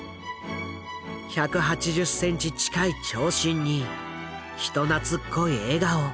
１８０センチ近い長身に人懐っこい笑顔。